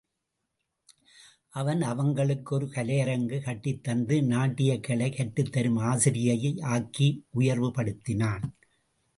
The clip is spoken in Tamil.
அவன் அவளுக்கு ஒரு கலையரங்கு கட்டித் தந்து நாட்டியக் கலை கற்றுத்தரும் ஆசிரியை ஆக்கி உயர்வுபடுத்தினான்.